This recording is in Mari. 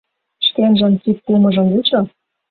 Шкенжын кид пуымыжым вучо».